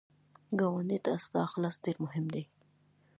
ګاونډي ته ستا اخلاص ډېر مهم دی